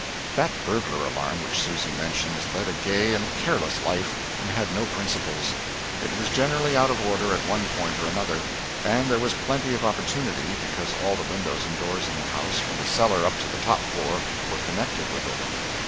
That burglar alarm which Susy mentions led a gay and careless life, and had no principles. It was generally out of order at one point or another; and there was plenty of opportunity, because all the windows and doors in the house, from the cellar up to the top floor, were connected with it.